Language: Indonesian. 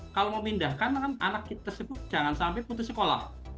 kalau memindahkan anak tersebut jangan sampai putus sekolah